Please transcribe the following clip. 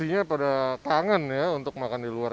makannya pada tangan ya untuk makan di luar